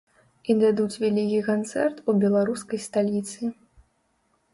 І дадуць вялікі канцэрт у беларускай сталіцы.